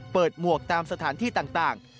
หมวกตามสถานที่ต่าง